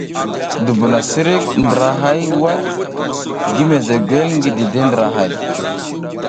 Dubuna sirik drahaya waɗ gi mezegwel ngi dideʼe ndrahay.